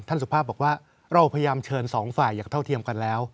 สุภาพบอกว่าเราพยายามเชิญสองฝ่ายอย่างเท่าเทียมกันแล้ว